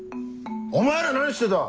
お前ら何してた！